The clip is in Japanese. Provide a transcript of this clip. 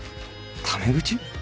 タメ口？